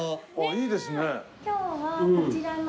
いいですね。